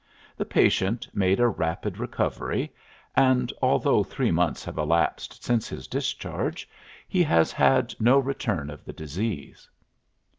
The patient made a rapid recovery, and, although three months have elapsed since his discharge, he has had no return of the disease."